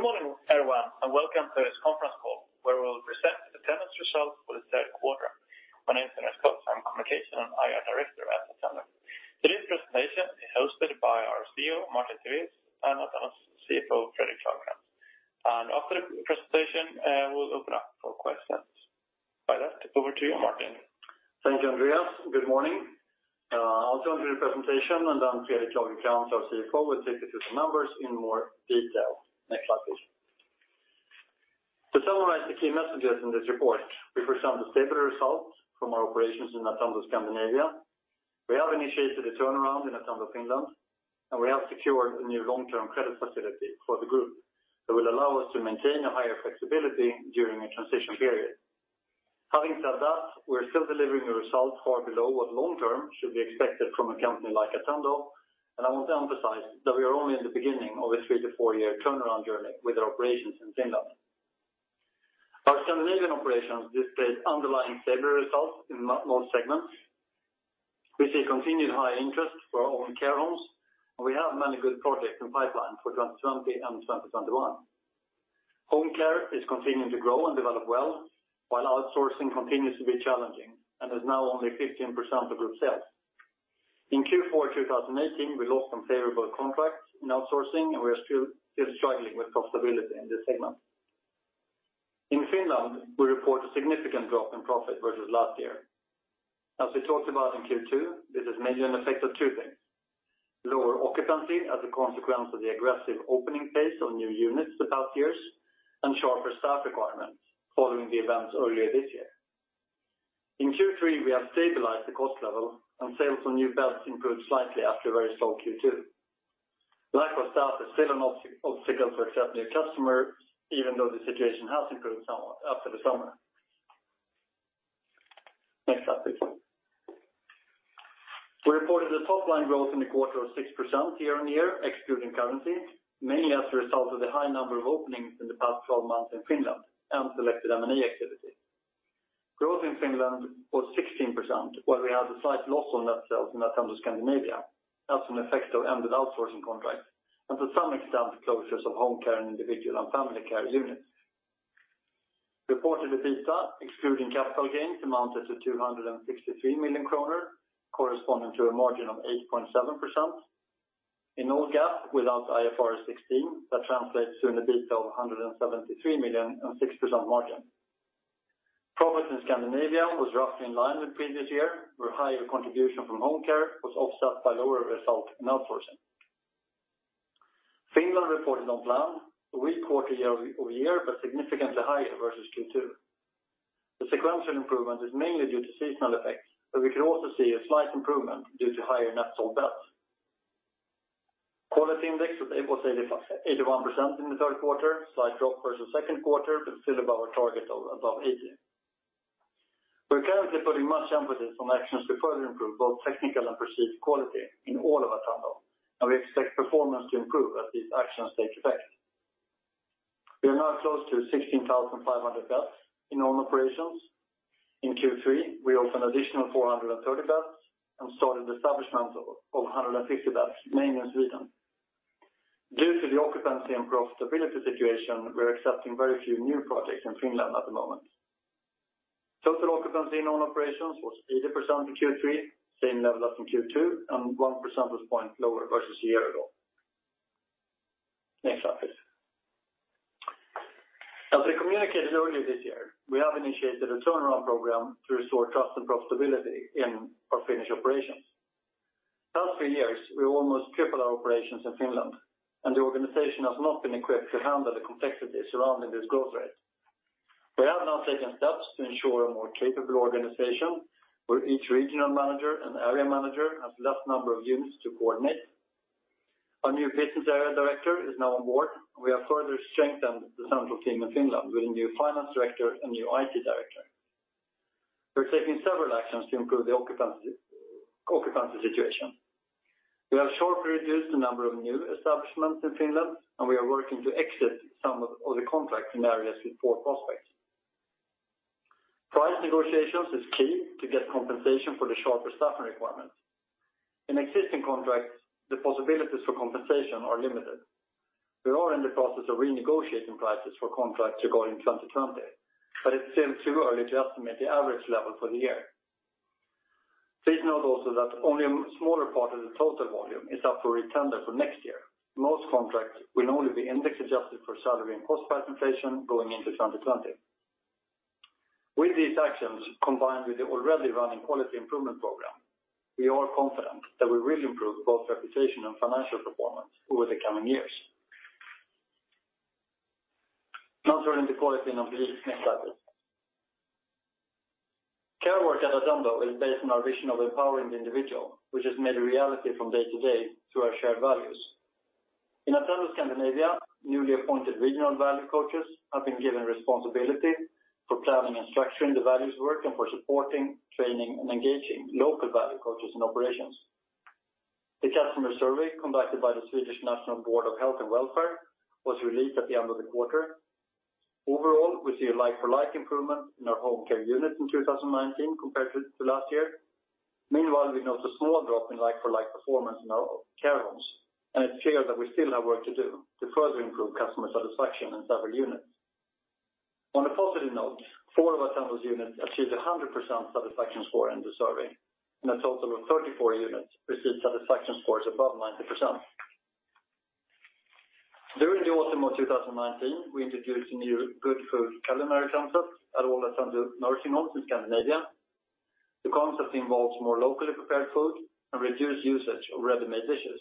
Good morning, everyone, and welcome to this conference call, where we'll present the Attendo results for the third quarter. My name is Andreas Koch, I'm Communication and IR Director at Attendo. Today's presentation is hosted by our CEO, Martin Tivéus, and Attendo's CFO, Fredrik Lagercrantz. After the presentation, we'll open up for questions. By that, over to you, Martin. Thank you, Andreas. Good morning. I'll turn to the presentation and then Fredrik Lagercrantz, our CFO, will take you through the numbers in more detail. Next slide, please. To summarize the key messages in this report, we present the stable results from our operations in Attendo Scandinavia. We have initiated a turnaround in Attendo Finland, and we have secured a new long-term credit facility for the group that will allow us to maintain a higher flexibility during a transition period. Having said that, we're still delivering a result far below what long-term should be expected from a company like Attendo. I want to emphasize that we are only in the beginning of a three-to-four-year turnaround journey with our operations in Finland. Our Scandinavian operations displayed underlying stable results in most segments. We see continued high interest for our own care homes, and we have many good projects in pipeline for 2020 and 2021. Home care is continuing to grow and develop well, while outsourcing continues to be challenging and is now only 15% of group sales. In Q4 2018, we lost some favorable contracts in outsourcing, and we are still struggling with profitability in this segment. In Finland, we report a significant drop in profit versus last year. As we talked about in Q2, this is mainly an effect of two things: lower occupancy as a consequence of the aggressive opening pace of new units the past years, and sharper staff requirements following the events earlier this year. In Q3, we have stabilized the cost level, and sales on new beds improved slightly after a very slow Q2. Lack of staff is still an obstacle to accept new customers, even though the situation has improved somewhat after the summer. Next slide, please. We reported a top-line growth in the quarter of 6% year-on-year, excluding currency, mainly as a result of the high number of openings in the past 12 months in Finland and selected M&A activity. Growth in Finland was 16%, while we had a slight loss on net sales in Attendo Scandinavia as an effect of ended outsourcing contracts and, to some extent, closures of home care and Individual and Family Care units. Reported EBITDA, excluding capital gains, amounted to 263 million kronor, corresponding to a margin of 8.7%. In all GAAP, without IFRS 16, that translates to an EBITDA of 173 million and 6% margin. Profit in Scandinavia was roughly in line with previous year, where higher contribution from home care was offset by lower result in outsourcing. Finland reported on plan a weak quarter year-over-year, but significantly higher versus Q2. The sequential improvement is mainly due to seasonal effects, but we could also see a slight improvement due to higher net sold beds. Quality index was 81% in the third quarter, slight drop versus second quarter, but still above our target of above 80. We're currently putting much emphasis on actions to further improve both technical and perceived quality in all of Attendo, and we expect performance to improve as these actions take effect. We are now close to 16,500 beds in own operations. In Q3, we opened additional 430 beds and started establishments of 150 beds, mainly in Sweden. Due to the occupancy and profitability situation, we're accepting very few new projects in Finland at the moment. Total occupancy in own operations was 80% in Q3, same level as in Q2, and 1 percentage point lower versus a year ago. Next slide, please. As we communicated earlier this year, we have initiated a turnaround program to restore trust and profitability in our Finnish operations. The past few years, we almost tripled our operations in Finland, and the organization has not been equipped to handle the complexity surrounding this growth rate. We have now taken steps to ensure a more capable organization where each regional manager and area manager has less number of units to coordinate. Our new business area director is now on board. We have further strengthened the central team in Finland with a new finance director and new IT director. We're taking several actions to improve the occupancy situation. We have sharply reduced the number of new establishments in Finland, and we are working to exit some of the contracts in areas with poor prospects. Price negotiations is key to get compensation for the sharper staffing requirements. In existing contracts, the possibilities for compensation are limited. We are in the process of renegotiating prices for contracts regarding 2020, but it's still too early to estimate the average level for the year. Please note also that only a smaller part of the total volume is up for re-tender for next year. Most contracts will only be index adjusted for salary and cost price inflation going into 2020. With these actions, combined with the already running quality improvement program, we are confident that we will improve both reputation and financial performance over the coming years. Now turning to quality and operations. Next slide, please. Care work at Attendo is based on our vision of empowering the individual, which is made a reality from day to day through our shared values. In Attendo Scandinavia, newly appointed regional value coaches have been given responsibility for planning and structuring the values work and for supporting, training, and engaging local value coaches in operations. The customer survey conducted by the Swedish National Board of Health and Welfare was released at the end of the quarter. Overall, we see a like-for-like improvement in our home care unit in 2019 compared to last year. Meanwhile, we note a small drop in like-for-like performance in our care homes, and it's clear that we still have work to do to further improve customer satisfaction in several units. On a positive note, four of Attendo's units achieved 100% satisfaction score in the survey, and a total of 34 units received satisfaction scores above 90%. During the autumn of 2019, we introduced a new Good Food culinary concept at all Attendo nursing homes in Scandinavia. The concept involves more locally prepared food and reduced usage of ready-made dishes.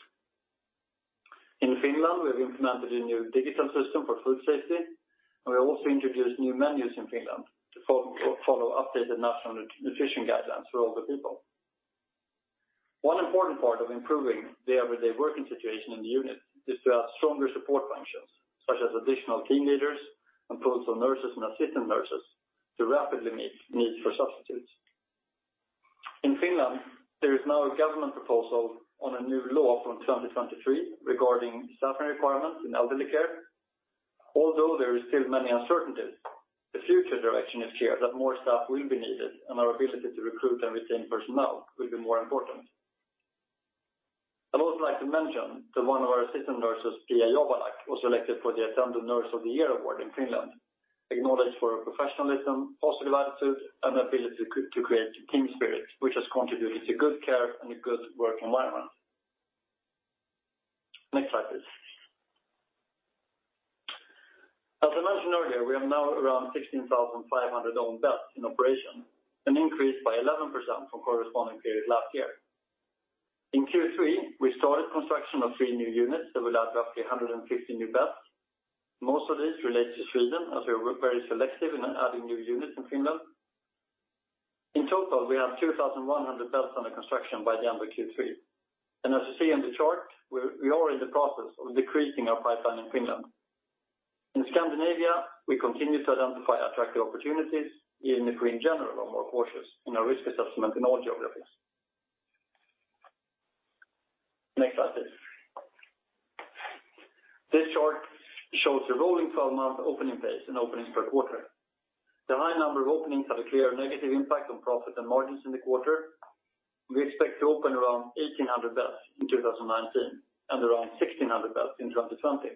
In Finland, we have implemented a new digital system for food safety, and we also introduced new menus in Finland to follow updated national nutrition guidelines for older people. One important part of improving the everyday working situation in the unit is to have stronger support functions, such as additional team leaders and pools of nurses and assistant nurses to rapidly meet needs for substitutes. In Finland, there is now a government proposal on a new law from 2023 regarding staffing requirements in elderly care. Although there is still many uncertainties, the future direction is clear that more staff will be needed and our ability to recruit and retain personnel will be more important. I'd also like to mention that one of our assistant nurses, Pia Johanak, was selected for the Attendo Nurse of the Year award in Finland, acknowledged for her professionalism, positive attitude, and ability to create team spirit, which has contributed to good care and a good work environment. Next slide, please. As I mentioned earlier, we have now around 16,500 own beds in operation, an increase by 11% from corresponding period last year. In Q3, we started construction of three new units that will add roughly 150 new beds. Most of these relate to Sweden, as we are very selective in adding new units in Finland. In total, we have 2,100 beds under construction by the end of Q3. As you see in the chart, we are in the process of decreasing our pipeline in Finland. In Scandinavia, we continue to identify attractive opportunities, even if we in general are more cautious in our risk assessment in all geographies. Next slide, please. This chart shows the rolling 12-month opening pace and openings per quarter. The high number of openings had a clear negative impact on profit and margins in the quarter. We expect to open around 1,800 beds in 2019 and around 1,600 beds in 2020.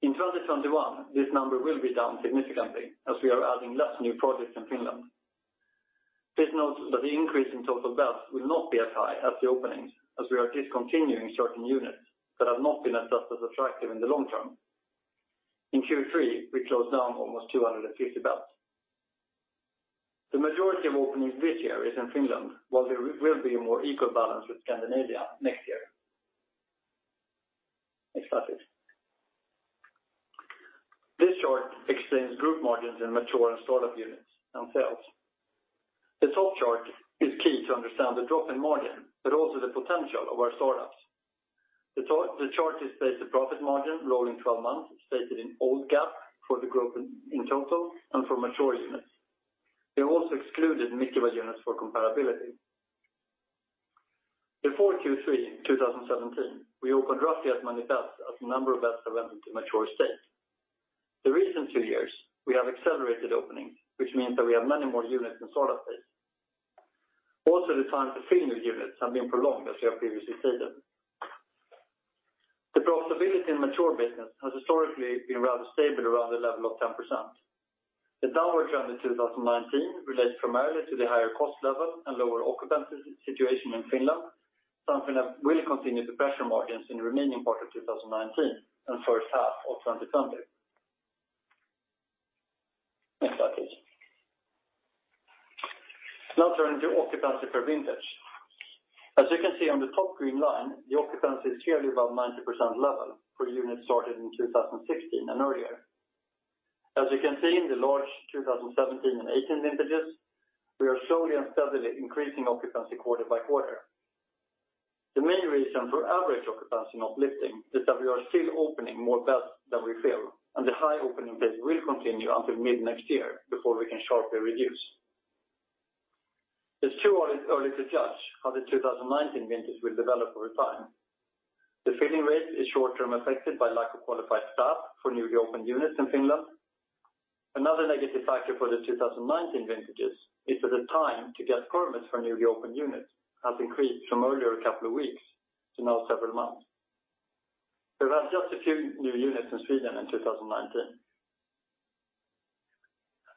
In 2021, this number will be down significantly as we are adding less new projects in Finland. Please note that the increase in total beds will not be as high as the openings, as we are discontinuing certain units that have not been assessed as attractive in the long term. In Q3, we closed down almost 250 beds. The majority of openings this year is in Finland, while there will be a more equal balance with Scandinavia next year. Next slide, please. This chart explains group margins in mature and startup units, and sales. The top chart is key to understand the drop in margin, but also the potential of our startups. The chart displays the profit margin rolling 12 months, stated in old GAAP for the group in total and for mature units. We have also excluded Mi-Ki-Va units for comparability. Before Q3 2017, we opened roughly as many beds as the number of beds that went into mature state. The recent two years, we have accelerated openings, which means that we have many more units in startup phase. Also, the time to fill new units have been prolonged, as we have previously stated. The profitability in mature business has historically been rather stable around the level of 10%. The downward trend in 2019 relates primarily to the higher cost level and lower occupancy situation in Finland, something that will continue to pressure margins in the remaining part of 2019 and first half of 2020. Next slide, please. Now turning to occupancy per vintage. As you can see on the top green line, the occupancy is clearly above 90% level for units started in 2016 and earlier. As you can see in the large 2017 and 2018 vintages, we are slowly and steadily increasing occupancy quarter by quarter. The main reason for average occupancy not lifting is that we are still opening more beds than we fill, and the high opening pace will continue until mid-next year before we can sharply reduce. It's too early to judge how the 2019 vintage will develop over time. The filling rate is short-term affected by lack of qualified staff for newly opened units in Attendo Finland. Another negative factor for the 2019 vintages is that the time to get permits for newly opened units has increased from earlier a couple of weeks to now several months. We have just a few new units in Sweden in 2019.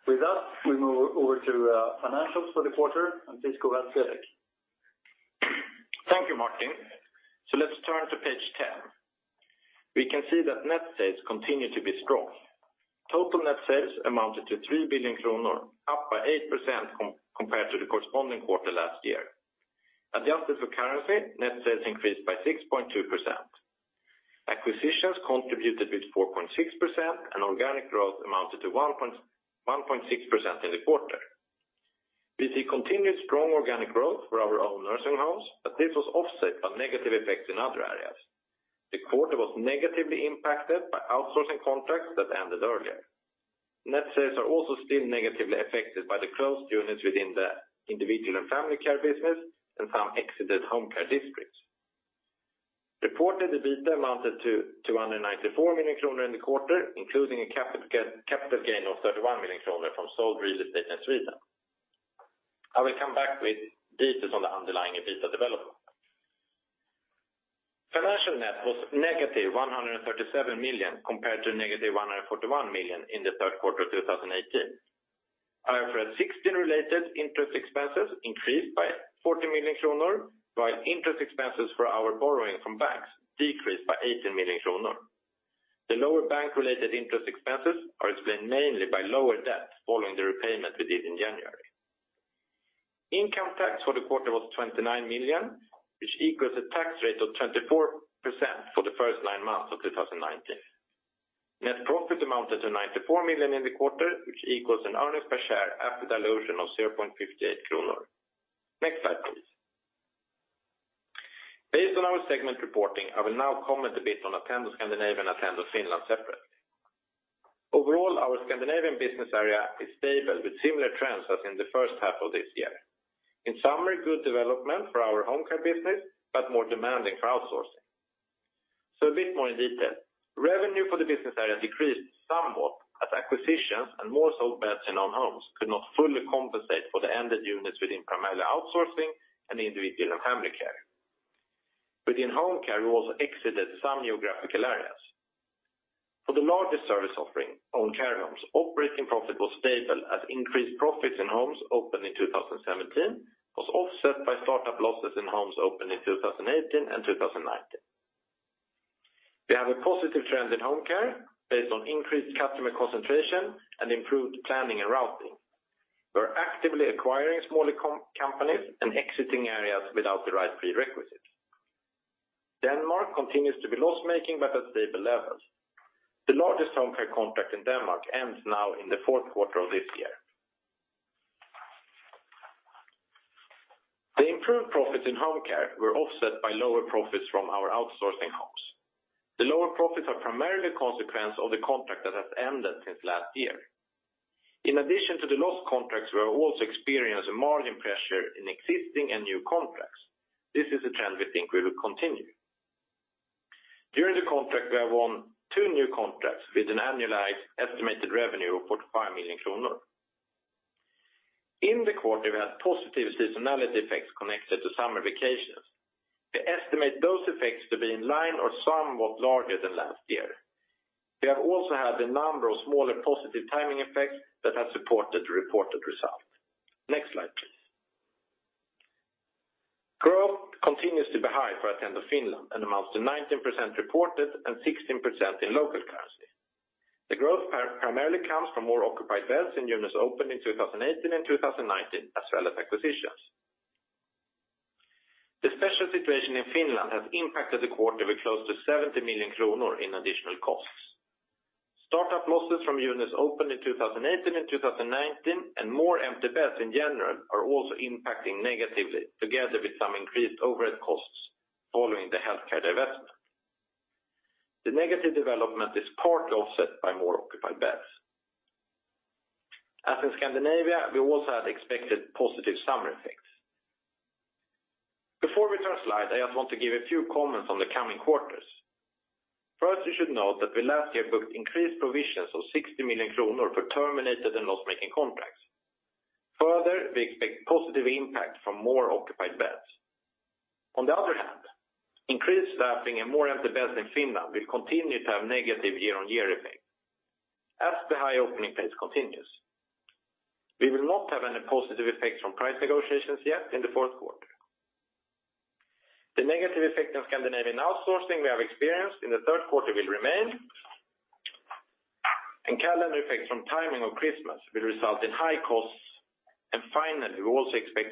With that, we move over to financials for the quarter, and please go ahead, Fredrik. Thank you, Martin. Let's turn to page 10. We can see that net sales continue to be strong. Total net sales amounted to 3 billion kronor, up by 8% compared to the corresponding quarter last year. Adjusted for currency, net sales increased by 6.2%. Acquisitions contributed with 4.6%, organic growth amounted to 1.6% in the quarter. We see continued strong organic growth for our own nursing homes, this was offset by negative effects in other areas. The quarter was negatively impacted by outsourcing contracts that ended earlier. Net sales are also still negatively affected by the closed units within the Individual and Family Care business and some exited home care districts. Reported EBITDA amounted to 294 million kronor in the quarter, including a capital gain of 31 million kronor from sold real estate in Sweden. I will come back with details on the underlying EBITDA development. Financial net was negative 137 million compared to negative 141 million in the third quarter of 2018. IFRS 16-related interest expenses increased by 40 million kronor, while interest expenses for our borrowing from banks decreased by 18 million kronor. The lower bank-related interest expenses are explained mainly by lower debt following the repayment we did in January. Income tax for the quarter was 29 million, which equals a tax rate of 24% for the first nine months of 2019. Net profit amounted to 94 million in the quarter, which equals an earnings per share after dilution of 0.58 kronor. Next slide, please. Based on our segment reporting, I will now comment a bit on Attendo Scandinavia and Attendo Finland separately. Overall, our Scandinavian business area is stable with similar trends as in the first half of this year. In summary, good development for our home care, more demanding for outsourcing. A bit more in detail. Revenue for the business area decreased somewhat as acquisitions and more so beds in own homes could not fully compensate for the ended units within primarily outsourcing and Individual and Family Care. Within home care, we also exited some geographical areas. For the largest service offering, own care homes, operating profit was stable as increased profits in homes opened in 2017 was offset by startup losses in homes opened in 2018 and 2019. We have a positive trend in home care based on increased customer concentration and improved planning and routing. We're actively acquiring smaller companies and exiting areas without the right prerequisites. Denmark continues to be loss-making at stable levels. The largest home care contract in Denmark ends now in the fourth quarter of this year. The improved profits in home care were offset by lower profits from our outsourcing homes. The lower profits are primarily a consequence of the contract that has ended since last year. In addition to the lost contracts, we have also experienced a margin pressure in existing and new contracts. This is a trend we think we will continue. During the contract, we have won two new contracts with an annualized estimated revenue of 45 million kronor. In the quarter, we had positive seasonality effects connected to summer vacations. We estimate those effects to be in line or somewhat larger than last year. We have also had a number of smaller positive timing effects that have supported the reported result. Next slide, please. Growth continues to be high for Attendo Finland and amounts to 19% reported and 16% in local currency. The growth primarily comes from more occupied beds in units opened in 2018 and 2019, as well as acquisitions. The special situation in Finland has impacted the quarter with close to 70 million kronor in additional costs. Startup losses from units opened in 2018 and 2019 and more empty beds in general are also impacting negatively, together with some increased overhead costs following the healthcare divestment. The negative development is partly offset by more occupied beds. As in Scandinavia, we also had expected positive summer effects. Before we turn slide, I just want to give a few comments on the coming quarters. First, you should note that we last year booked increased provisions of 60 million kronor for terminated and loss-making contracts. Further, we expect positive impact from more occupied beds. On the other hand, increased staffing and more empty beds in Finland will continue to have negative year-on-year effect as the high opening pace continues. We will not have any positive effects from price negotiations yet in the fourth quarter. The negative effect of Scandinavian outsourcing we have experienced in the third quarter will remain. Calendar effects from timing of Christmas will result in high costs. Finally, we also expect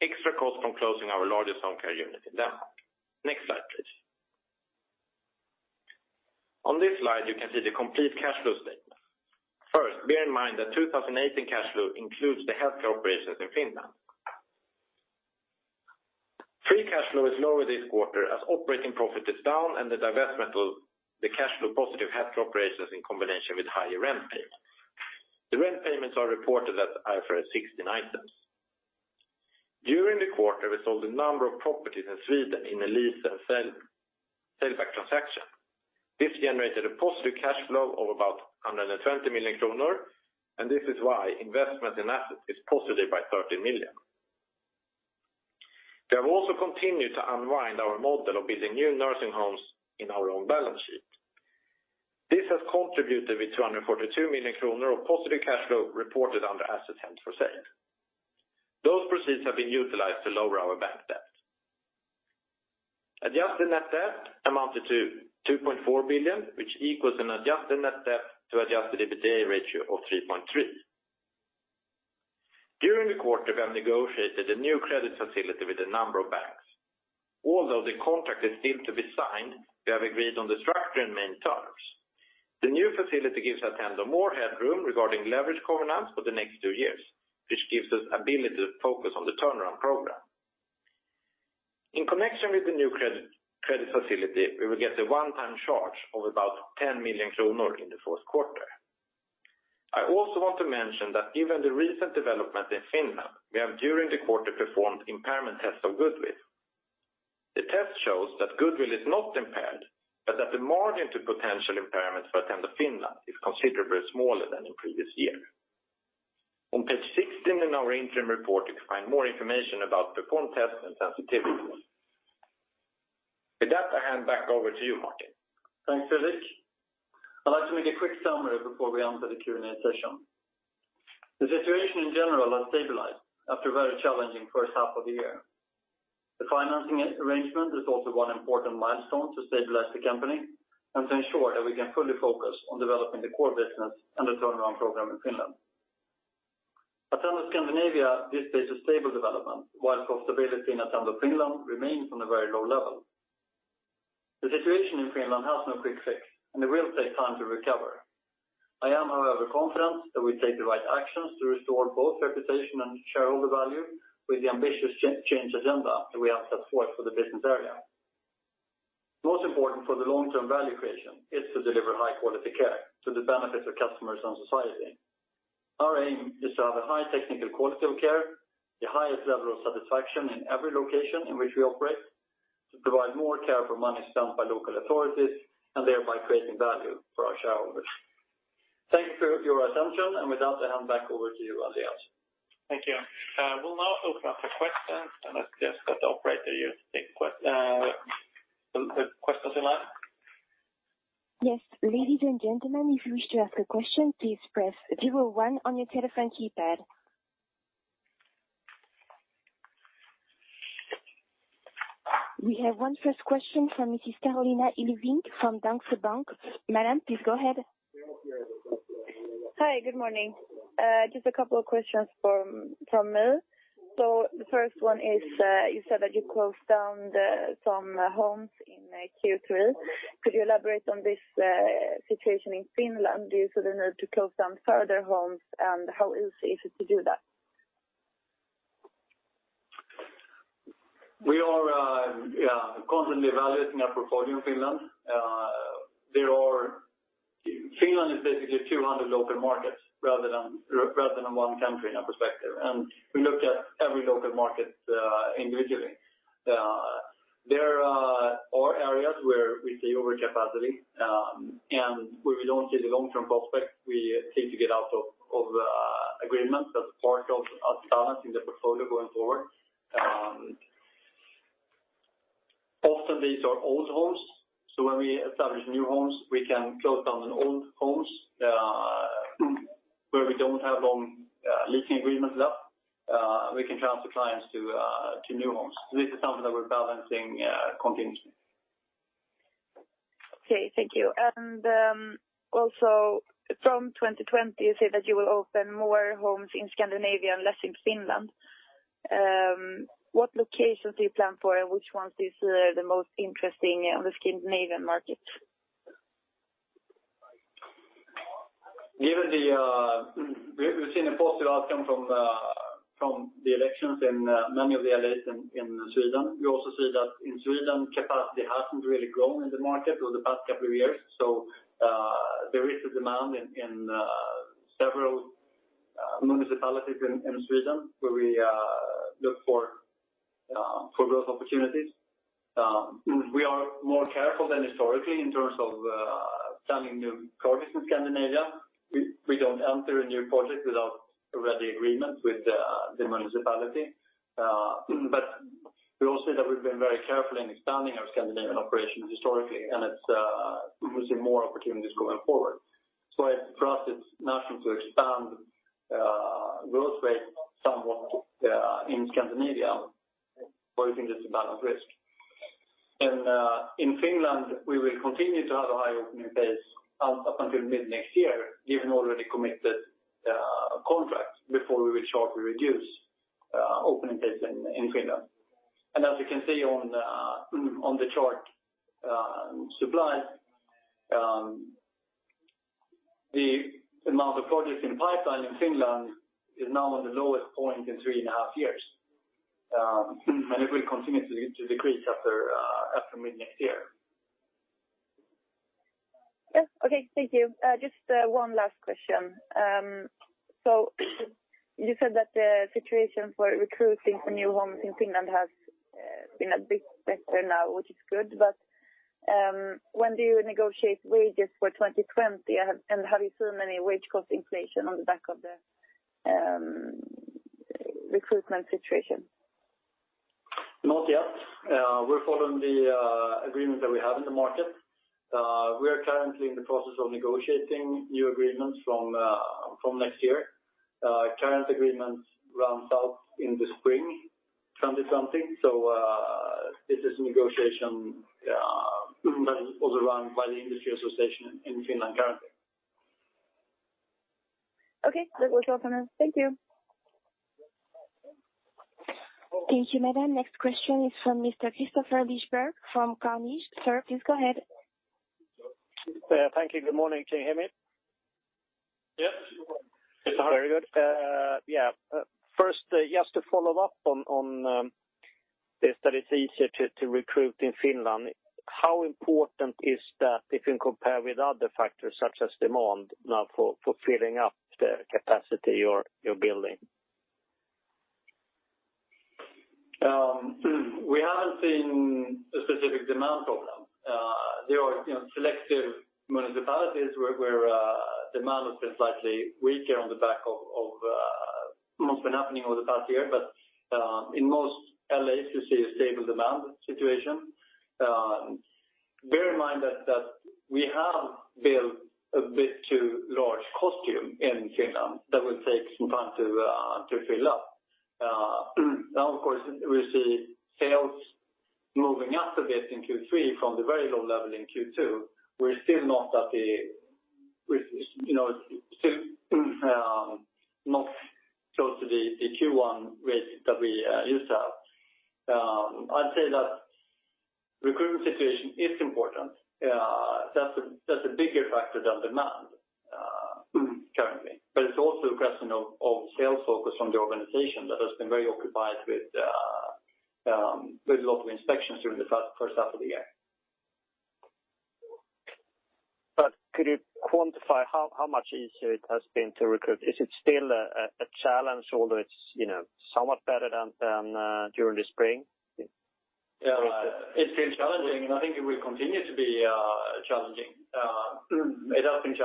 extra costs from closing our largest home care unit in Denmark. Next slide, please. On this slide, you can see the complete cash flow statement. First, bear in mind that 2018 cash flow includes the healthcare operations in Finland. Free cash flow is lower this quarter as operating profit is down and the divestment of the cash flow positive healthcare operations in combination with higher rent payments. The rent payments are reported as IFRS 16 items. During the quarter, we sold a number of properties in Sweden in a lease and sale back transaction. This generated a positive cash flow of about 120 million kronor, and this is why investment in assets is positive by 30 million. We have also continued to unwind our model of building new nursing homes in our own balance sheet. This has contributed with 242 million kronor of positive cash flow reported under assets held for sale. Those proceeds have been utilized to lower our bank debt. Adjusted net debt amounted to 2.4 billion, which equals an adjusted net debt to adjusted EBITDA ratio of 3.3. During the quarter, we have negotiated a new credit facility with a number of banks. Although the contract is still to be signed, we have agreed on the structure and main terms. The new facility gives Attendo more headroom regarding leverage covenants for the next two years, which gives us ability to focus on the turnaround program. In connection with the new credit facility, we will get a one-time charge of about 10 million kronor in the fourth quarter. I also want to mention that given the recent development in Finland, we have during the quarter performed impairment tests of goodwill. The test shows that goodwill is not impaired, but that the margin to potential impairment for Attendo Finland is considerably smaller than in previous year. On page 16 in our interim report, you can find more information about performed tests and sensitivities. With that, I hand back over to you, Martin. Thanks, Fredrik. I'd like to make a quick summary before we answer the Q&A session. The situation in general has stabilized after a very challenging first half of the year. The financing arrangement is also one important milestone to stabilize the company and to ensure that we can fully focus on developing the core business and the turnaround program in Finland. Attendo Scandinavia displays a stable development, while profitability in Attendo Finland remains on a very low level. The situation in Finland has no quick fix, and it will take time to recover. I am, however, confident that we take the right actions to restore both reputation and shareholder value with the ambitious change agenda that we have set forth for the business area. Most important for the long-term value creation is to deliver high-quality care to the benefit of customers and society. Our aim is to have a high technical quality of care, the highest level of satisfaction in every location in which we operate, to provide more care for money spent by local authorities, and thereby creating value for our shareholders. Thank you for your attention. With that, I hand back over to you, Andreas. Thank you. We'll now open up for questions. Let's just get the operator here to take questions in line. Yes. Ladies and gentlemen, if you wish to ask a question, please press 01 on your telephone keypad. We have one first question from Mrs. Carolina Ekvall from DNB Bank. Madam, please go ahead. Hi. Good morning. Just two questions from me. The first one is, you said that you closed down some homes in Q3. Could you elaborate on this situation in Finland? Do you still need to close down further homes, and how easy is it to do that? We are constantly evaluating our portfolio in Finland. Finland is basically 200 local markets rather than one country in perspective. We look at every local market individually. There are areas where we see overcapacity, and where we don't see the long-term prospect, we seek to get out of agreements as part of balancing the portfolio going forward. Often these are old homes, so when we establish new homes, we can close down the old homes where we don't have long leasing agreements left. We can transfer clients to new homes. This is something that we're balancing continuously. Okay. Thank you. Also from 2020, you say that you will open more homes in Scandinavia and less in Finland. What locations do you plan for and which ones is the most interesting on the Scandinavian market? We've seen a positive outcome from the elections in many of the LAs in Sweden. We also see that in Sweden, capacity hasn't really grown in the market over the past couple of years. There is a demand in several municipalities in Sweden where we look for growth opportunities. We are more careful than historically in terms of planning new projects in Scandinavia. We don't enter a new project without a ready agreement with the municipality. We all see that we've been very careful in expanding our Scandinavian operations historically, and we see more opportunities going forward. For us, it's natural to expand growth rate somewhat in Scandinavia. We think it's a balanced risk. In Finland, we will continue to have a high opening pace up until mid-next year, given already committed contracts before we will sharply reduce opening pace in Finland. As you can see on the chart supply, the amount of projects in pipeline in Finland is now on the lowest point in three and a half years. It will continue to decrease after mid-next year. Yes. Okay. Thank you. Just one last question. You said that the situation for recruiting for new homes in Finland has been a bit better now, which is good, but when do you negotiate wages for 2020? Have you seen any wage cost inflation on the back of the recruitment situation? Not yet. We're following the agreement that we have in the market. We are currently in the process of negotiating new agreements from next year. Current agreements runs out in the spring 2020. This is a negotiation that is also run by the industry association in Finland currently. Okay. That was all from us. Thank you. Thank you, madam. Next question is from Mr. Kristofer Liljeberg from Carnegie. Sir, please go ahead. Thank you. Good morning. Can you hear me? Yes. Very good. First, just to follow up, is that it's easier to recruit in Finland? How important is that if you compare with other factors such as demand now for filling up the capacity you're building? We haven't seen a specific demand problem. There are selective municipalities where demand has been slightly weaker on the back of what's been happening over the past year. In most LAs, you see a stable demand situation. Bear in mind that we have built a bit too large cost base in Finland that will take some time to fill up. Of course, we see sales moving up a bit in Q3 from the very low level in Q2. We're still not close to the Q1 rate that we used to have. I'd say that recruitment situation is important. That's a bigger factor than demand currently. It's also a question of sales focus from the organization that has been very occupied with a lot of inspections during the first half of the year. Could you quantify how much easier it has been to recruit? Is it still a challenge, although it's somewhat better than during the spring? Yeah, it's been challenging, and I think it will continue to be challenging. It has been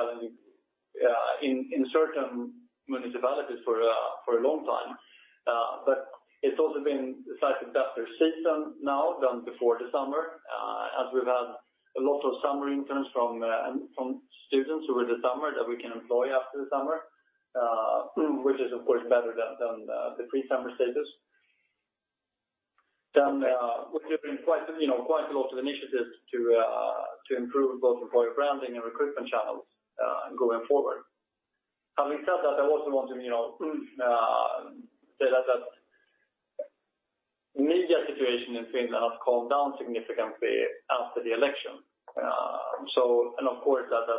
challenging in certain municipalities for a long time. It's also been a slightly better season now than before the summer, as we've had a lot of summer interns from students over the summer that we can employ after the summer, which is, of course, better than the pre-summer status. We're doing quite a lot of initiatives to improve both employer branding and recruitment channels going forward. Having said that, I also want to say that the media situation in Finland has calmed down significantly after the election. Of course, that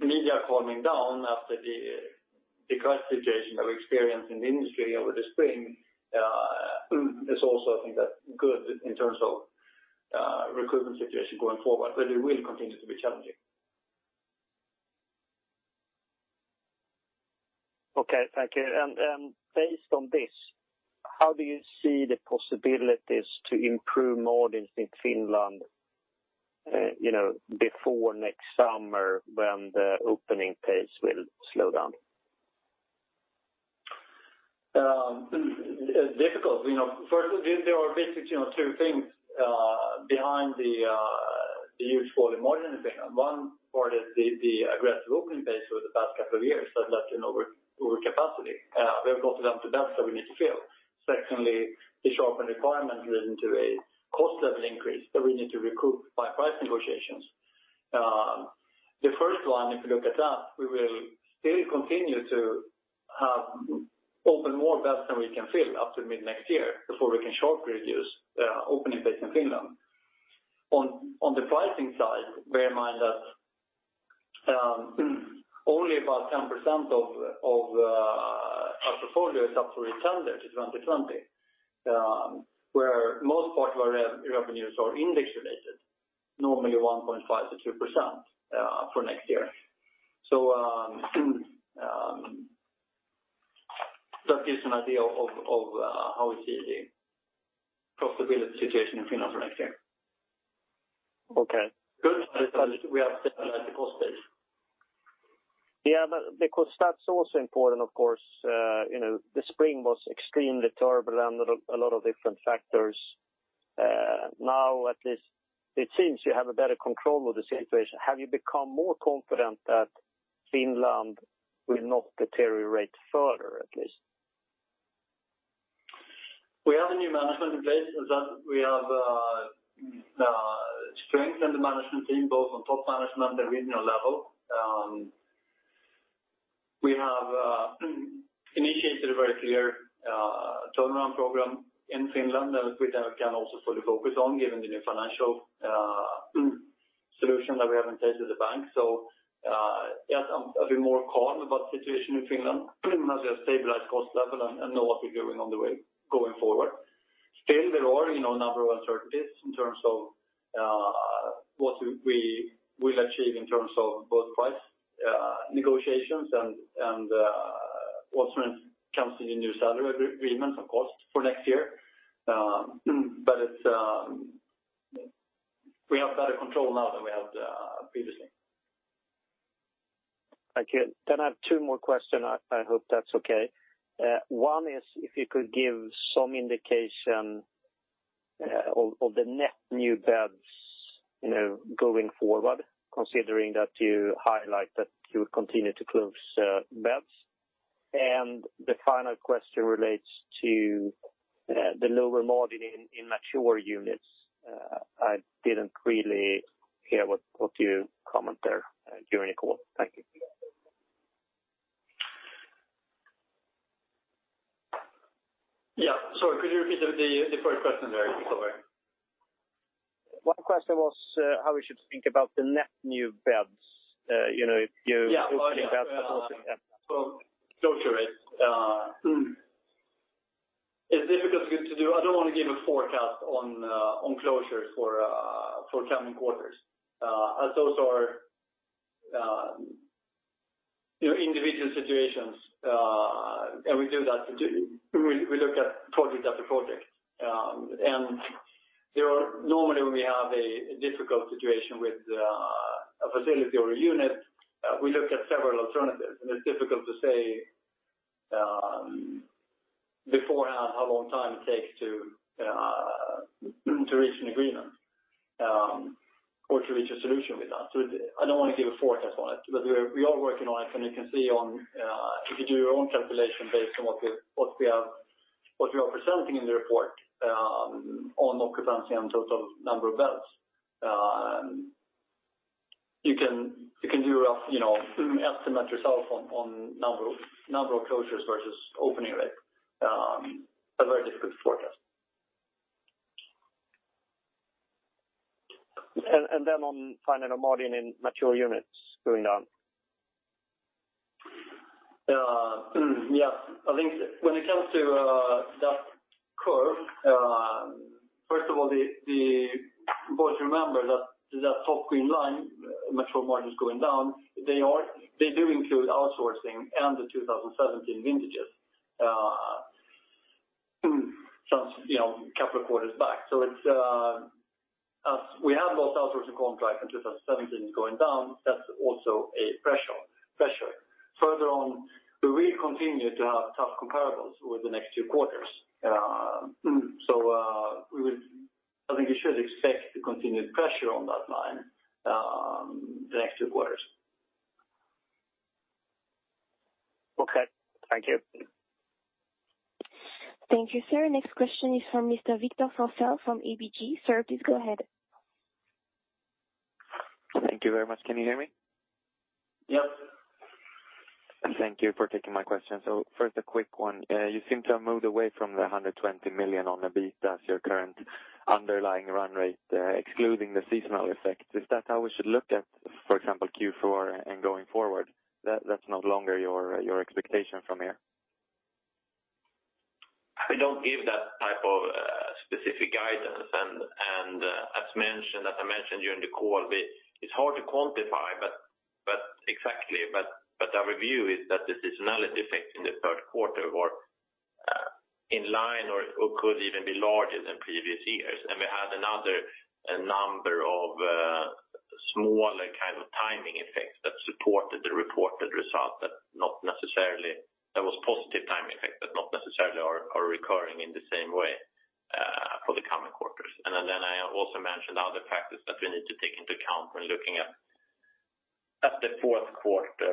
media calming down after the crisis situation that we experienced in the industry over the spring is also, I think, that good in terms of recruitment situation going forward, but it will continue to be challenging. Okay, thank you. Based on this, how do you see the possibilities to improve margins in Finland before next summer when the opening pace will slow down? It's difficult. First, there are basically two things behind the huge volume margin. One part is the aggressive opening pace over the past couple of years that left an overcapacity. We have a lot of beds that we need to fill. Secondly, the sharpened requirement has led to a cost level increase that we need to recoup by price negotiations. The first one, if you look at that, we will still continue to open more beds than we can fill up to mid-next year before we can sharply reduce opening pace in Finland. On the pricing side, bear in mind that only about 10% of our portfolio is up for retender 2020, where most parts of our revenues are index related, normally 1.5%-3% for next year. That gives an idea of how we see the profitability situation in Finland for next year. Okay. Good that we have stabilized the cost base. Yeah, because that's also important, of course. The spring was extremely terrible and a lot of different factors. Now, at least it seems you have a better control of the situation. Have you become more confident that Finland will not deteriorate further, at least? We have a new management in place. We have strength in the management team, both on top management and regional level. We have initiated a very clear turnaround program in Finland that we can also fully focus on given the new financial solution that we have in place with the bank. Yes, I'm a bit more calm about the situation in Finland now that we have stabilized cost level and know what we're doing on the way going forward. Still, there are a number of uncertainties in terms of what we will achieve in terms of both price negotiations and what comes to the new salary agreements, of course, for next year. We have better control now than we had previously. Thank you. I have two more questions. I hope that's okay. One is if you could give some indication of the net new beds going forward, considering that you highlight that you will continue to close beds. The final question relates to the lower margin in mature units. I didn't really hear what you comment there during the call. Thank you. Yeah. Sorry, could you repeat the first question there? One question was how we should think about the net new beds. Yeah. It's difficult to do. I don't want to give a forecast on closures for coming quarters, as those are individual situations. We look at project after project. Normally when we have a difficult situation with a facility or a unit, we look at several alternatives, and it's difficult to say beforehand how long time it takes to reach an agreement, or to reach a solution with that. I don't want to give a forecast on it, but we are working on it, and you can see if you do your own calculation based on what we are presenting in the report on occupancy and total number of beds. You can do an estimate yourself on number of closures versus opening rate. A very difficult forecast. On financial margin in mature units going down. Yes. I think when it comes to that curve, first of all, you must remember that top green line, mature margins going down, they do include outsourcing and the 2017 vintages a couple of quarters back. As we have both outsourcing contracts and 2017 going down, that's also a pressure. Further on, we continue to have tough comparables over the next two quarters. I think you should expect the continued pressure on that line the next two quarters. Okay. Thank you. Thank you, sir. Next question is from Mr. Victor Frandsen from ABG. Sir, please go ahead. Thank you very much. Can you hear me? Yes. Thank you for taking my question. First a quick one. You seem to have moved away from the 120 million on the EBIT. That's your current underlying run rate there, excluding the seasonal effect. Is that how we should look at, for example, Q4 and going forward? That's no longer your expectation from here? I don't give that type of specific guidance. As I mentioned during the call, it's hard to quantify exactly, but our review is that the seasonality effect in the third quarter were in line or could even be larger than previous years. We had another number of smaller timing effects that supported the reported result that was positive time effect, but not necessarily are recurring in the same way for the coming quarters. I also mentioned other factors that we need to take into account when looking at the fourth quarter,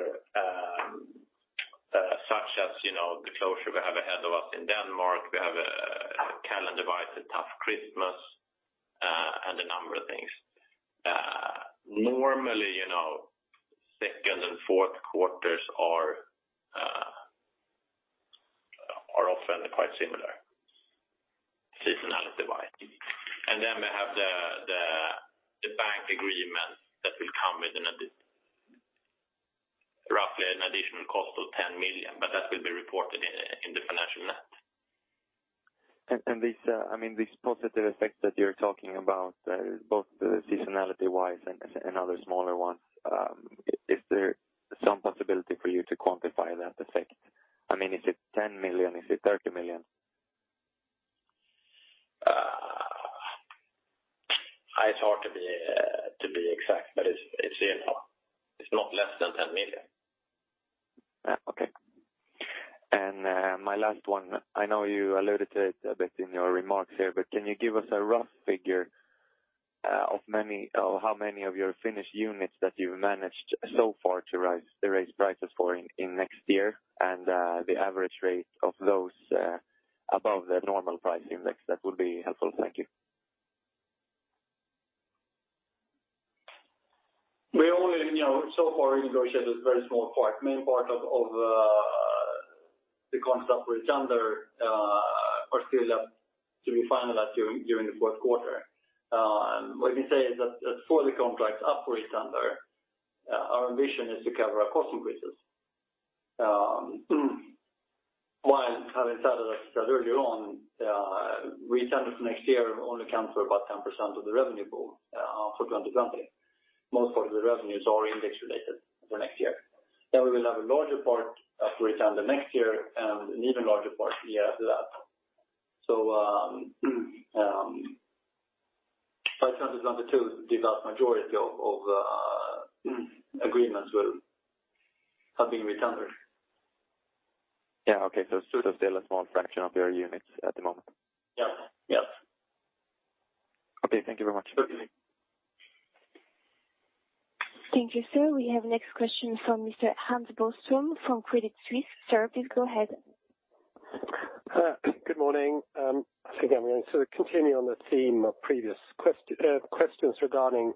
such as the closure we have ahead of us in Denmark. We have a calendar-wise, a tough Christmas, and a number of things. Normally, second and fourth quarters are often quite similar, seasonality-wise. Then we have the bank agreement that will come with roughly an additional cost of 10 million, but that will be reported in the financial net. These positive effects that you're talking about, both seasonality-wise and other smaller ones, is there some possibility for you to quantify that effect? Is it 10 million? Is it 30 million? It's hard to be exact, but it's not less than 10 million. Okay. My last one, I know you alluded to it a bit in your remarks here, but can you give us a rough figure of how many of your Finnish units that you've managed so far to raise prices for in next year and the average rate of those above the normal price index, that would be helpful? Thank you. We only so far negotiated a very small part. Main part of the concept retender are still left to be finalized during the fourth quarter. What we can say is that for the contracts up for retender our ambition is to cover our cost increases. While having said that, as I said earlier on, retenders next year only account for about 10% of the revenue pool for 2020. Most part of the revenues are index related for next year. We will have a larger part up for retender next year and an even larger part the year after that. By 2022, the vast majority of agreements will have been retendered. Yeah. Okay. still a small fraction of your units at the moment? Yes. Okay. Thank you very much. Okay. Thank you, sir. We have next question from Mr. Hans Boström from Credit Suisse. Sir, please go ahead. Good morning. I think I'm going to continue on the theme of previous questions regarding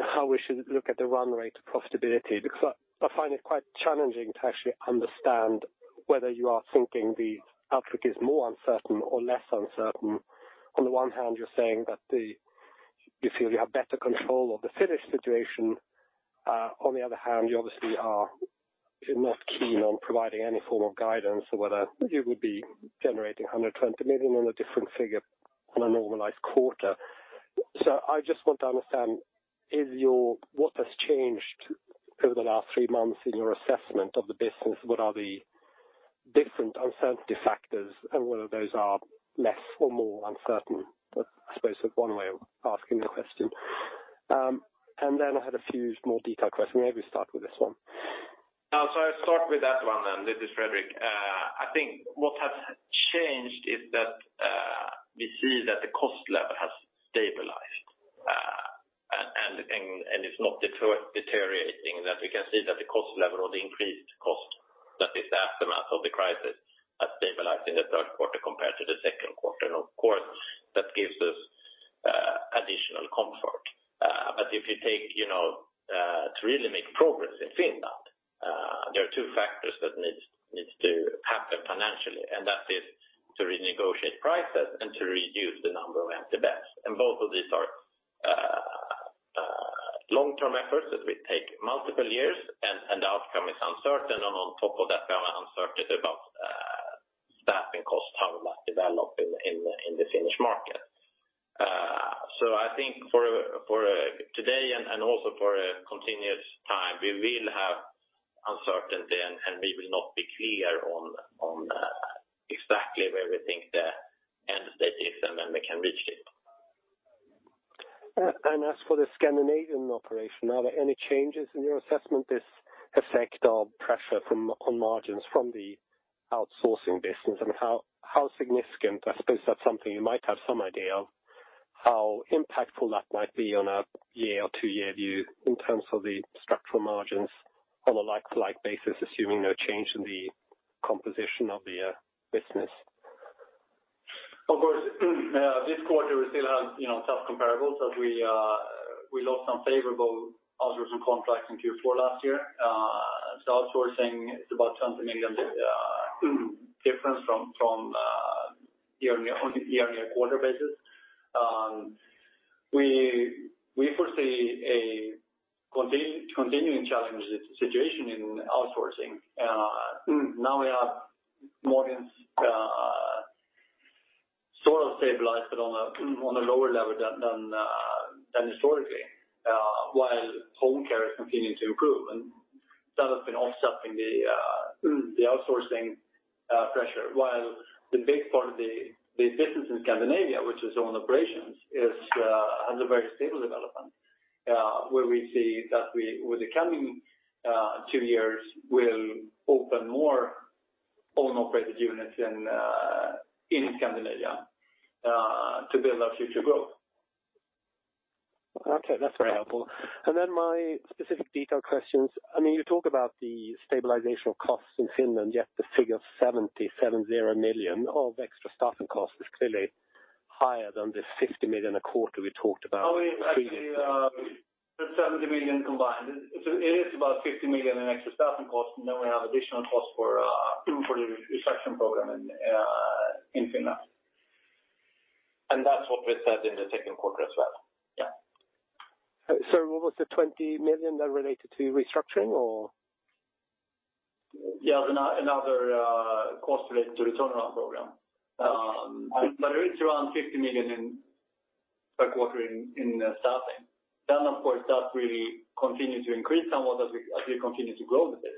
how we should look at the run rate profitability, because I find it quite challenging to actually understand whether you are thinking the outlook is more uncertain or less uncertain. On the one hand, you're saying that you feel you have better control of the Finnish situation. On the other hand, you obviously are not keen on providing any form of guidance or whether you would be generating 120 million on a different figure on a normalized quarter. I just want to understand what has changed over the last three months in your assessment of the business. What are the different uncertainty factors and whether those are less or more uncertain? I suppose that's one way of asking the question. I had a few more detailed questions. Maybe start with this one. I start with that one. This is Fredrik. I think what has changed is that we see that the cost level has stabilized, and it's not deteriorating, that we can see that the cost level or the increased cost that is the aftermath of the crisis has stabilized in the third quarter compared to the second quarter. Of course, that gives us additional comfort. To really make progress in Finland, there are two factors that needs to happen financially, and that is to renegotiate prices and to reduce the number of empty beds. Both of these are long-term efforts that will take multiple years, and the outcome is uncertain. On top of that, we are uncertain about staffing cost, how that develops in the Finnish market. I think for today and also for a continuous time, we will have uncertainty, and we will not be clear on exactly where we think the end state is, and when we can reach it. As for Attendo Scandinavia, are there any changes in your assessment, this effect of pressure on margins from the outsourcing business, and how significant? I suppose that's something you might have some idea of, how impactful that might be on a year or two-year view in terms of the structural margins on a like-to-like basis, assuming no change in the composition of the business. This quarter we still have self-comparables as we lost some favorable outsourcing contracts in Q4 last year. Outsourcing is about 20 million difference from year-on-year quarter basis. We foresee a continuing challenging situation in outsourcing. Now we are more in sort of stabilized but on a lower level than historically while home care is continuing to improve, and that has been offsetting the outsourcing pressure, while the big part of the business in Scandinavia, which is own operations, has a very stable development, where we see that with the coming two years, we'll open more own-operated units in Scandinavia to build our future growth. Okay. That's very helpful. My specific detail questions. You talk about the stabilization of costs in Finland, yet the figure of 77 million of extra staffing costs is clearly higher than the 50 million a quarter we talked about previously. Actually, that's 70 million combined. It is about 50 million in extra staffing costs, and then we have additional costs for the restructuring program in Finland. That's what we said in the second quarter as well. Yeah. Was the 20 million related to restructuring or? Yeah. Another cost related to the turnaround program. It is around 50 million per quarter in staffing. Of course, that really continues to increase somewhat as we continue to grow the business.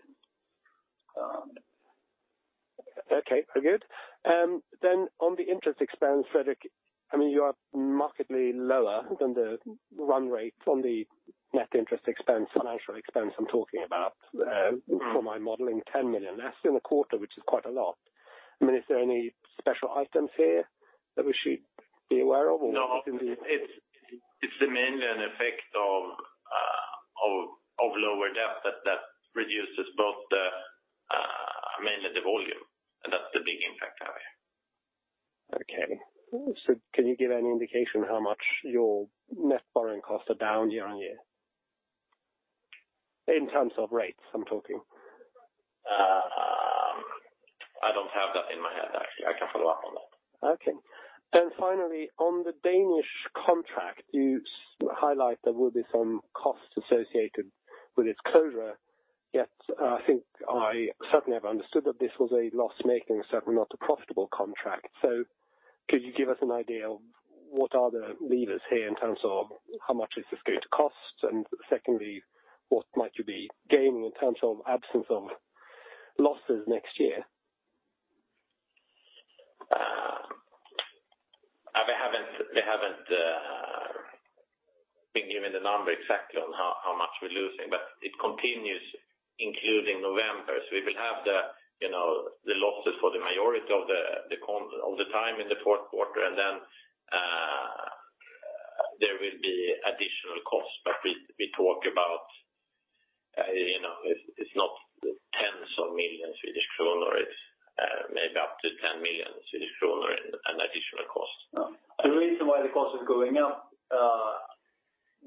Good. On the interest expense, Fredrik, you are markedly lower than the run rates on the net interest expense, financial expense I'm talking about. For my modeling, 10 million less in a quarter, which is quite a lot. Is there any special items here that we should be aware of or? No. It's mainly an effect of lower debt that reduces both mainly the volume, and that's the big impact area. Okay. Can you give any indication how much your net borrowing costs are down year-on-year? In terms of rates, I'm talking. I don't have that in my head, actually. I can follow up on that. Okay. Finally, on the Danish contract, you highlight there will be some costs associated with its closure, yet I think I certainly have understood that this was a loss-making, certainly not a profitable contract. Could you give us an idea of what are the levers here in terms of how much is this going to cost? Secondly, what might you be gaining in terms of absence of losses next year? We haven't been given the number exactly on how much we're losing. It continues including November. We will have the losses for the majority of the time in the fourth quarter. Then there will be additional costs that we talk about. It's not SEK tens of millions. It's maybe up to 10 million Swedish kronor in additional cost. The reason why the cost is going up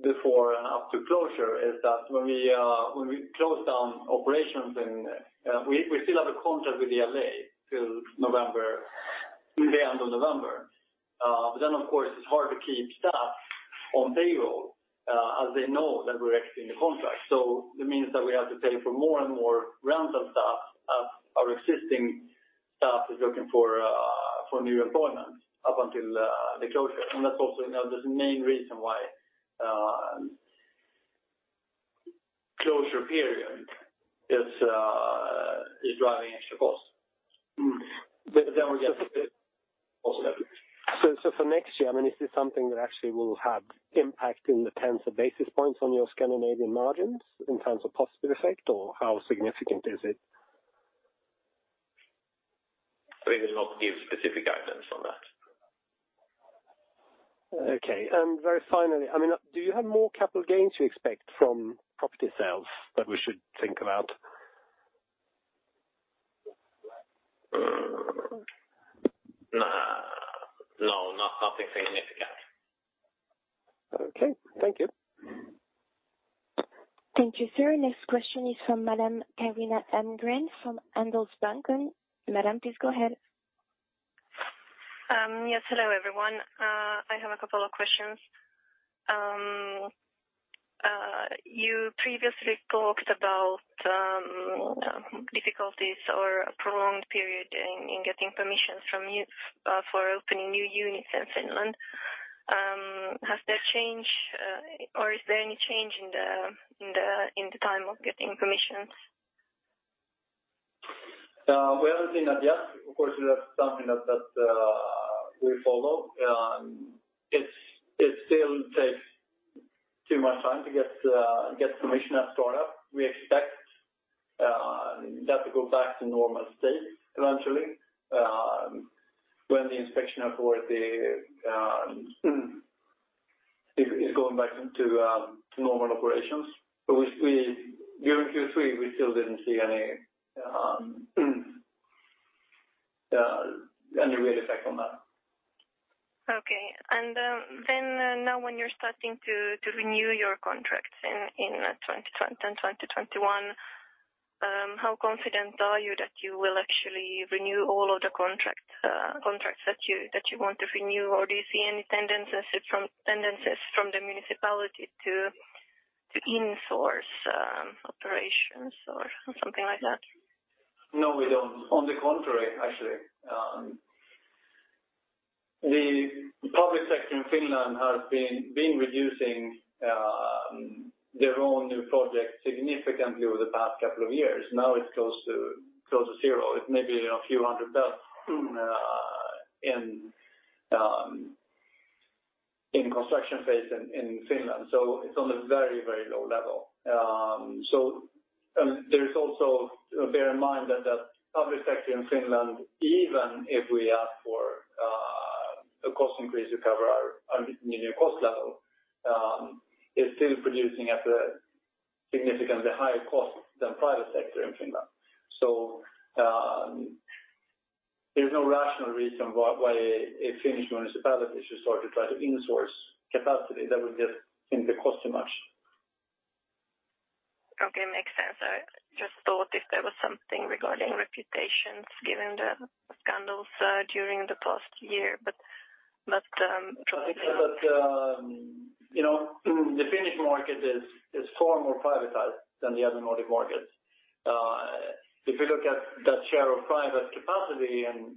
before and after closure is that when we close down operations and we still have a contract with the L.A. till the end of November. Of course, it's hard to keep staff on payroll, as they know that we're exiting the contract. It means that we have to pay for more and more rounds of staff as our existing staff is looking for new employment up until the closure. That's also the main reason why closure period is driving extra costs. We get also For next year, is this something that actually will have impact in the tens of basis points on your Scandinavian margins in terms of positive effect, or how significant is it? We will not give specific guidance on that. Okay. Very finally, do you have more capital gains you expect from property sales that we should think about? No, nothing significant. Okay. Thank you. Thank you, sir. Next question is from Madam Carina Edgren from Handelsbanken. Madam, please go ahead. Yes. Hello, everyone. I have a couple of questions. You previously talked about difficulties or a prolonged period in getting permissions for opening new units in Finland. Has there change, or is there any change in the time of getting permissions? Well, Carina, yes, of course, that's something that we follow. It still takes too much time to get permission at startup. We expect that to go back to normal state eventually, when the inspection authority is going back to normal operations. During Q3, we still didn't see any real effect on that. Okay. Now when you're starting to renew your contracts in 2020 and 2021, how confident are you that you will actually renew all of the contracts that you want to renew or do you see any tendencies from the municipality to in-source operations or something like that? No, we don't. On the contrary, actually, the public sector in Finland has been reducing their own new projects significantly over the past couple of years. Now it's close to zero. It's maybe a few 100,000 in construction phase in Finland. It's on a very low level. There is also, bear in mind that the public sector in Finland, even if we ask for a cost increase to cover our new cost level is still producing at a significantly higher cost than private sector in Finland. There's no rational reason why a Finnish municipality should sort of try to in-source capacity that will just seem to cost too much. Okay, makes sense. I just thought if there was something regarding reputations given the scandals during the past year. The Finnish market is far more privatized than the other Nordic markets. If you look at that share of private capacity in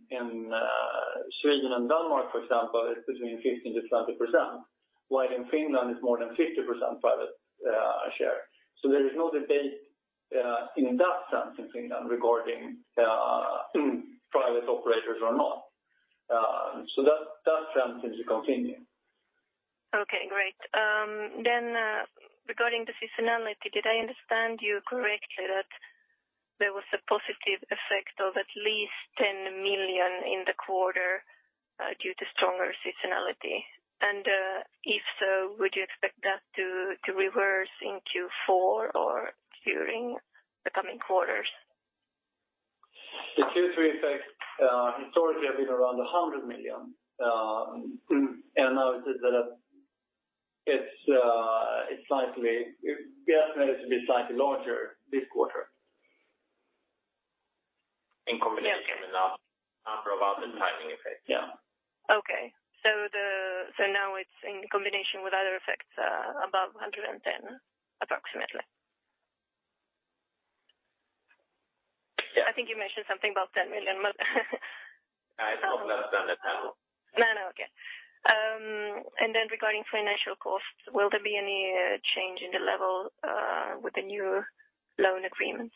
Sweden and Denmark, for example, it's between 15%-20%, while in Finland it's more than 50% private share. There is no debate in that sense in Finland regarding private operators or not. That sense is a continuum. Okay, great. Regarding the seasonality, did I understand you correctly that there was a positive effect of at least 10 million in the quarter due to stronger seasonality? If so, would you expect that to reverse in Q4 or during the coming quarters? The Q3 effects historically have been around 100 million. Now we estimate it to be slightly larger this quarter. In combination and not for about the timing effect. Yeah. Okay. Now it's in combination with other effects above 110, approximately. Yeah. I think you mentioned something about 10 million. It's not less than that, no. No. Okay. Regarding financial costs, will there be any change in the level with the new loan agreements?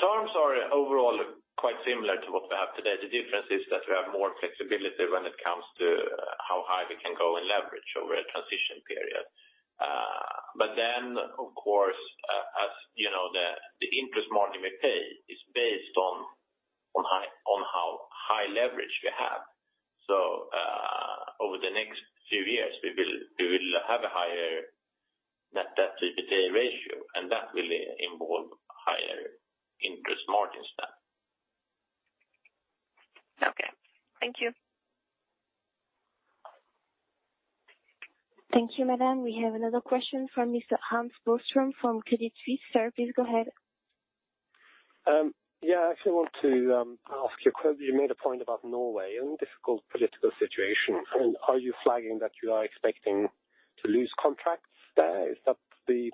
Terms are overall quite similar to what we have today. The difference is that we have more flexibility when it comes to how high we can go and leverage over a transition period. Of course, as you know the interest margin we pay is based on high leverage we have. Over the next few years, we will have a higher net debt to EBITDA ratio, and that will involve higher interest margins then. Okay. Thank you. Thank you, madam. We have another question from Mr. Hans Boström from Credit Suisse. Sir, please go ahead. Yeah, I actually want to ask you made a point about Norway and difficult political situation. Are you flagging that you are expecting to lose contracts? Is that the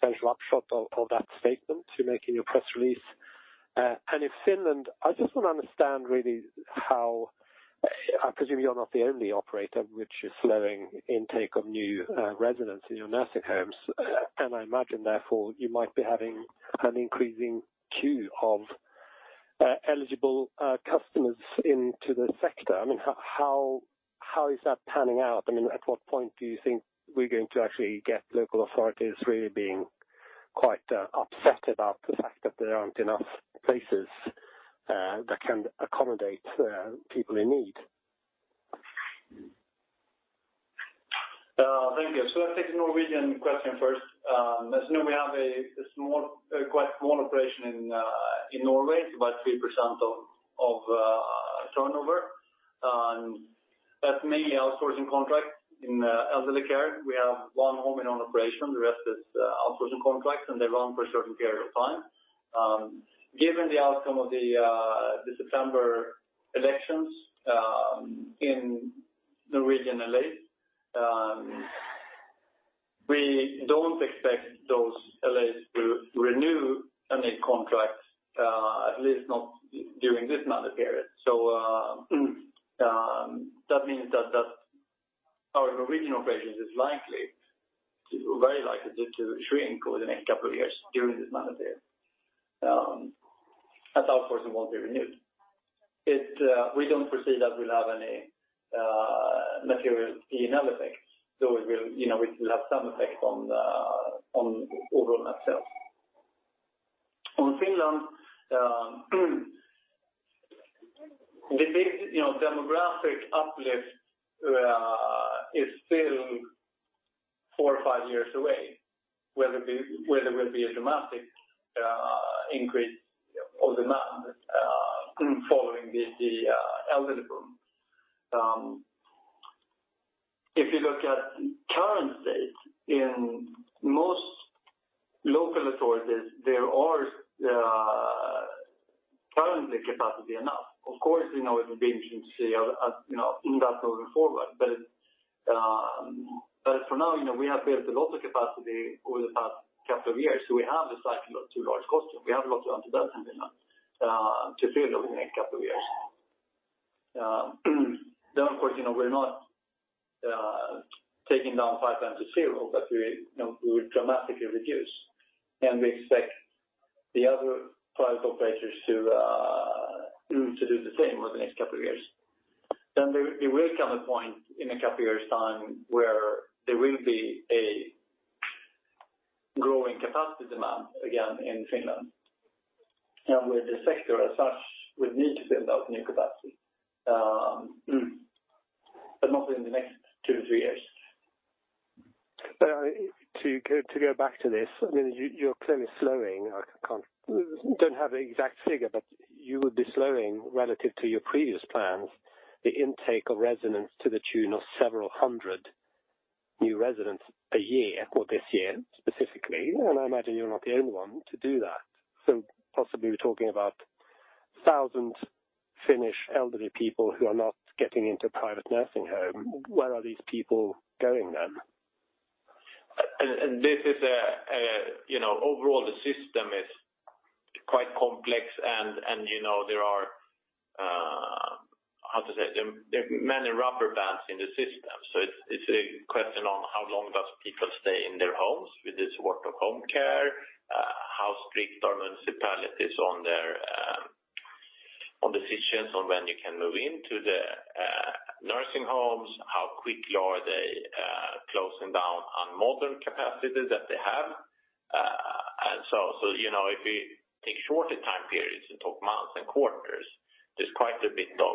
central upshot of that statement you make in your press release? In Finland, I just want to understand really how, I presume you're not the only operator which is slowing intake of new residents in your nursing homes. I imagine therefore, you might be having an increasing queue of eligible customers into the sector. How is that panning out? At what point do you think we're going to actually get local authorities really being quite upset about the fact that there aren't enough places that can accommodate people in need? Thank you. I'll take the Norwegian question first. As you know, we have a quite small operation in Norway, it's about 3% of turnover. That's mainly outsourcing contracts in elderly care. We have one home in operation, the rest is outsourcing contracts, and they run for a certain period of time. Given the outcome of the December elections in Norwegian LA's, we don't expect those LA's to renew any contracts, at least not during this market period. That means that our original operations is very likely to shrink over the next couple of years during this market period. As our portion won't be renewed. We don't foresee that we'll have any material P&L effects, though it will have some effect on overall net sales. On Finland, the big demographic uplift is still four or five years away, where there will be a dramatic increase or demand following the elderly boom. If you look at current state, in most local authorities, there are currently capacity enough. Of course, it will be interesting to see how that moving forward. For now, we have built a lot of capacity over the past couple of years. We have a cycle or two large cost base. We have a lot to utilize to fill over the next couple years. Of course, we're not taking down pipeline down to zero, we will dramatically reduce, and we expect the other private operators to do the same over the next couple of years. There will come a point in a couple years' time where there will be a growing capacity demand again in Finland, and where the sector as such will need to build out new capacity, but not in the next two or three years. To go back to this, you're clearly slowing. I don't have the exact figure, but you would be slowing relative to your previous plans, the intake of residents to the tune of several hundred new residents a year or this year specifically. I imagine you're not the only one to do that. Possibly we're talking about thousands Finnish elderly people who are not getting into private nursing home. Where are these people going then? Overall the system is quite complex and there are, how to say, there are many rubber bands in the system. It's a question on how long does people stay in their homes with the support of home care, how strict are municipalities on decisions on when you can move into the nursing homes, how quickly are they closing down on modern capacity that they have. If you take shorter time periods and talk months and quarters, there's quite a bit of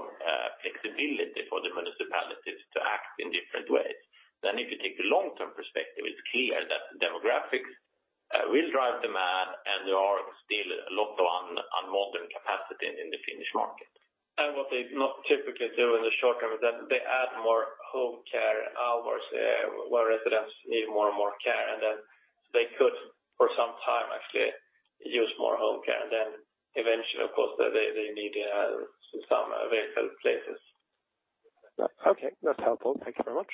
flexibility for the municipalities to act in different ways. If you take the long-term perspective, it's clear that the demographics will drive demand and there are still a lot of unmodern capacity in the Finnish market. What they not typically do in the short term is that they add more home care hours where residents need more and more care, and then they could, for some time, actually use more home care. Eventually, of course, they need some available places. Okay. That's helpful. Thank you very much.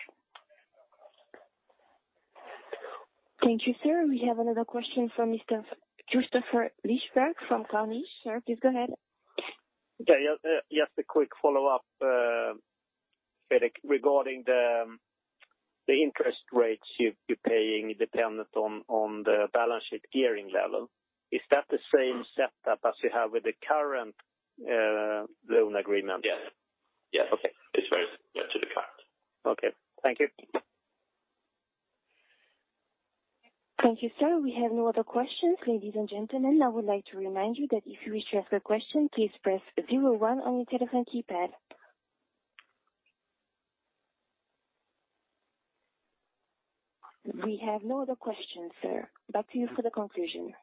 Thank you, sir. We have another question from Mr. Kristofer Liljeberg from Carnegie. Sir, please go ahead. Okay. Just a quick follow-up, Fredrik, regarding the interest rates you're paying dependent on the balance sheet gearing level. Is that the same setup as you have with the current loan agreement? Yes. Okay. It's very similar to the current. Okay. Thank you. Thank you, sir. We have no other questions. Ladies and gentlemen, I would like to remind you that if you wish to ask a question, please press zero one on your telephone keypad. We have no other questions, sir. Back to you for the conclusion.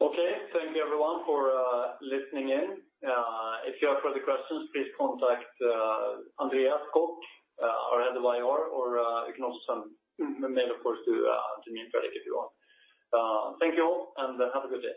Okay. Thank you everyone for listening in. If you have further questions, please contact Andreas Koch, our Head of IR, or you can also send an email, of course, to me and Fredrik if you want. Thank you all, and have a good day.